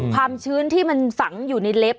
ความชื้นที่มันฝังอยู่ในเล็บ